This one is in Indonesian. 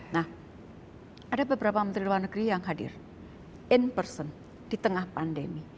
nah ada beberapa menteri luar negeri yang hadir in person di tengah pandemi